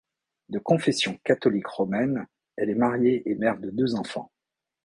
De confession catholique romaine, elle est mariée et mère de deux enfants.